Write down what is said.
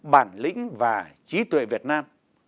bản lĩnh và trí tuệ việt nam